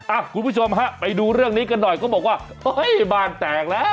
คุณผู้ชมฮะไปดูเรื่องนี้กันหน่อยเขาบอกว่าเฮ้ยบ้านแตกแล้ว